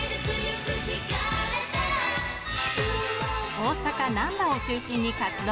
大阪・難波を中心に活動。